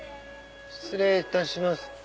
失礼いたします。